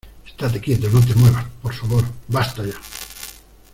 ¡ estate quieto, no te muevas , por favor! ¡ basta ya !